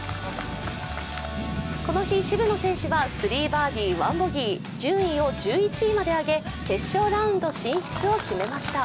この日、渋野選手は３バーディー１ボギー順位を１１位まで上げ決勝ラウンド進出を決めました。